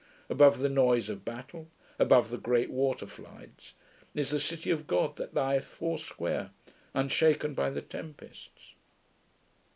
Above the noise of battle, above the great water floods, is the city of God that lieth four square, unshaken by the tempests.